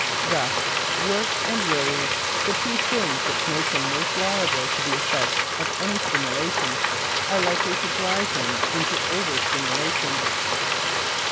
Thus work and worry, the two things which make him most liable to the evil effects of any stimulation, are likely to drive him directly into over stimulation.